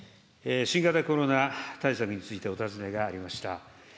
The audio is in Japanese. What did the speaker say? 新型コロナ対策についてお尋ねがありました。